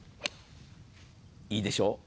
いいでしょう？